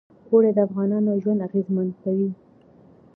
اوړي د افغانانو ژوند اغېزمن کوي.